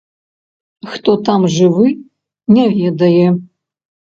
Хто там жывы, не ведае.